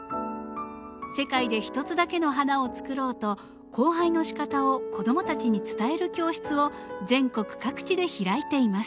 世界で一つだけの花を作ろうと交配のしかたを子供たちに伝える教室を全国各地で開いています。